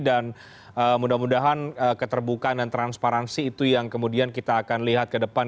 dan mudah mudahan keterbukaan dan transparansi itu yang kemudian kita akan lihat ke depan